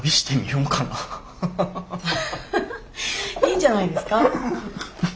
いいんじゃないですか？